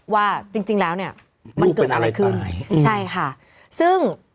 ว่าจริงจริงแล้วเนี่ยมันเกิดอะไรขึ้นใช่ค่ะซึ่ง